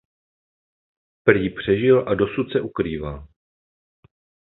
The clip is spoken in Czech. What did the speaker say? Prý přežil a dosud se ukrýval.